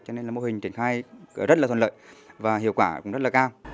cho nên là mô hình triển khai rất là thuận lợi và hiệu quả cũng rất là cao